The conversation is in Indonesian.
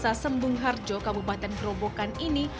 pemilikan usaha sembung harjo kabupaten gerobokan ini